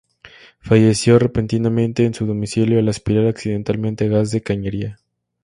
Falleció repentinamente en su domicilio al aspirar accidentalmente, gas de cañería.